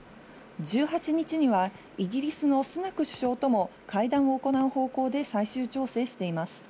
１８日にはイギリスのスナク首相とも会談を行う方向で最終調整しています。